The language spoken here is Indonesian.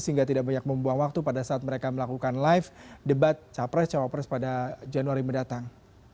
sehingga tidak banyak membuang waktu pada saat mereka melakukan live debat capres cawapres pada januari mendatang